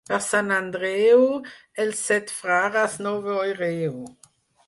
Per Sant Andreu, els set frares no veureu.